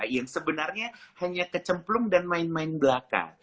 yang sebenarnya hanya kecemplung dan main main belaka